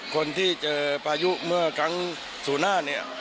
คนที่เจอประยุกต์เมื่อกั้งสู่หน้าเนี่ย